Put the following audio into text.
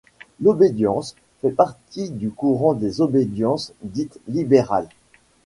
L'obédience fait partie du courant des obédiences dites libérales.